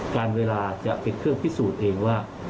การเวลาจะเป็นเครื่องพิสูจน์เองว่า